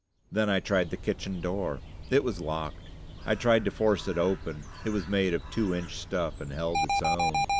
Then I tried the kitchen door; it was locked. I tried to force it open; it was made of two inch stuff, and held its own.